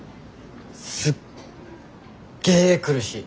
すっげえ苦しい。